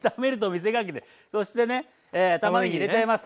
そしてねたまねぎ入れちゃいます。